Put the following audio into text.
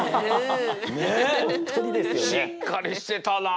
しっかりしてたな。